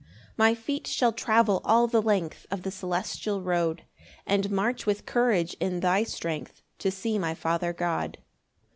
3 My feet shall travel all the length Of the celestial road, And march with courage in thy strength To see my Father God.